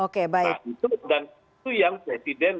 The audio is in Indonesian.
nah itu yang presiden